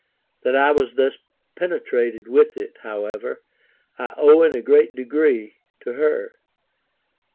That I was thus penetrated with it, however, I owe in a great degree to her.